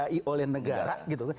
yang dibiayai oleh negara gitu